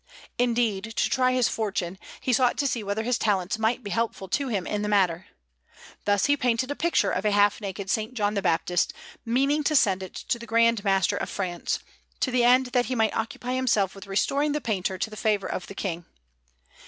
Indeed, to try his fortune, he sought to see whether his talents might be helpful to him in the matter. Thus he painted a picture of a half naked S. John the Baptist, meaning to send it to the Grand Master of France, to the end that he might occupy himself with restoring the painter to the favour of the King.